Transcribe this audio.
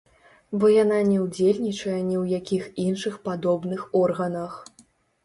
Бо яна не ўдзельнічае ні ў якіх іншых падобных органах.